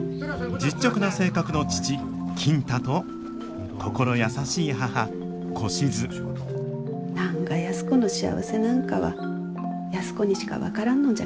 実直な性格の父金太と心優しい母小しず何が安子の幸せなんかは安子にしか分からんのじゃからな。